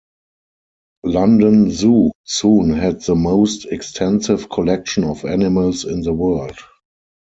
London Zoo soon had the most extensive collection of animals in the world.